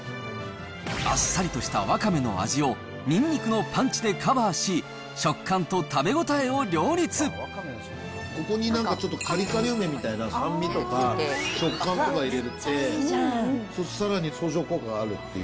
あっさりとしたわかめの味をにんにくのパンチでカバーし、食ここになんか、ちょっと、カリカリ梅みたいな酸味とか食感とか入れると、そしたらさらに相乗効果があるっていう。